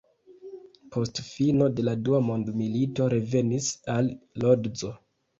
Post fino de la dua mondmilito revenis al Lodzo.